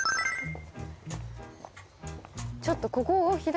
ちょっとここ左。